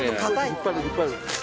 引っ張る引っ張る。